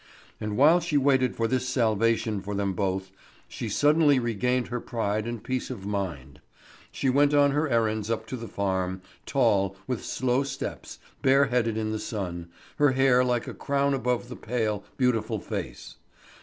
And while she waited for this salvation for them both, she suddenly regained her pride and peace of mind. She went on her errands up to the farm, tall, with slow steps, bare headed in the sun, her hair like a crown above the pale, beautiful face.